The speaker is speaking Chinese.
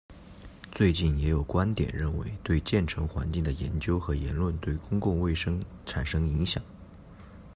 最近也有观点认为对建成环境的研究和言论对公共卫生产生影响。